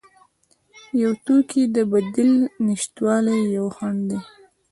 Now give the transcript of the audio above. د یو توکي د بدیل نشتوالی یو خنډ دی.